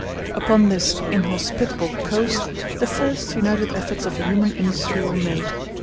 Upon this inhospitable coast the first united efforts of human industry were made.